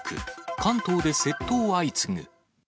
関東で窃盗相次ぐ。